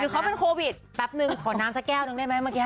เขาเป็นโควิดแป๊บนึงขอน้ำสักแก้วหนึ่งได้ไหมเมื่อกี้